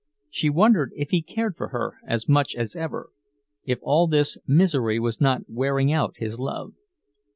She wondered if he cared for her as much as ever, if all this misery was not wearing out his love.